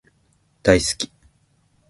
大好き